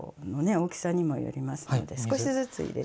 大きさにもよりますので少しずつ入れて。